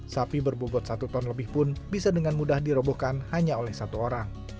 sapi berbobot satu ton lebih pun bisa dengan mudah dirobohkan hanya oleh satu orang